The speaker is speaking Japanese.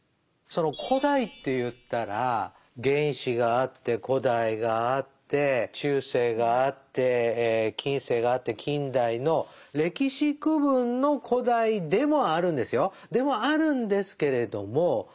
その「古代」っていったら原始があって古代があって中世があって近世があって近代の歴史区分の古代でもあるんですよ。